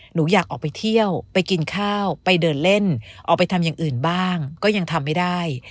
หนูอยากออกไปเที่ยวไปกินข้าวไปเดินเล่นออกไปทำอย่างอื่นบ้างก็ยังทำไม่ได้